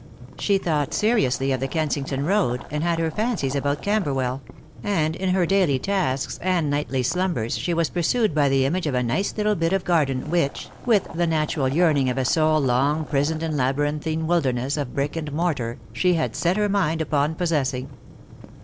She thought seriously of the Kennington road, and had her fancies about Camberwell; and in her daily tasks and nightly slumbers she was pursued by the image of a nice little bit of garden, which, with the natural yearning of a soul long Erisoned in a labyrinthine wilderness of brick and mortar, she ad set her mind upon possessing.